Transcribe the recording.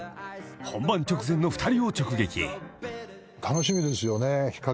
本番直前の２人を直撃］